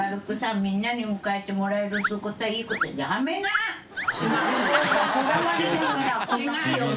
みんなに迎えてもらえるっていうことはいい海箸世茵魯魯蓮